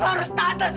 kenapa harus tante sih